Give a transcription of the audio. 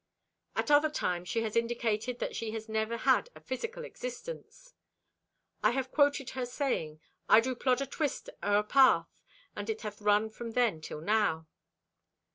At other times she has indicated that she has never had a physical existence. I have quoted her saying: "I do plod a twist o' a path and it hath run from then till now."